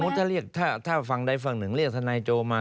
ถ้าเรียกถ้าฝั่งใดฝั่งหนึ่งเรียกทนายโจมา